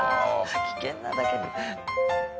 危険なだけで。